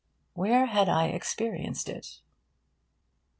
Where had I experienced it?